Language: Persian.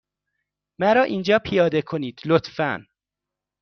مرا اینجا پیاده کنید، لطفا.